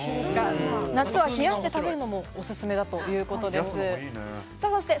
夏には冷やして食べるのもおすすめということです。